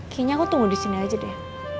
kayaknya aku tunggu di sini aja deh